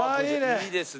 いいですね。